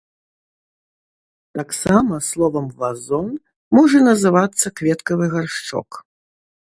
Таксама словам вазон можа называцца кветкавы гаршчок.